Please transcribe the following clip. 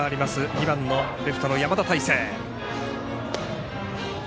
２番のレフトの山田太成。